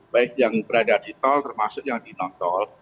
baik yang berada di tol termasuk yang di non tol